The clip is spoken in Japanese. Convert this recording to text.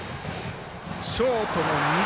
ショートの右。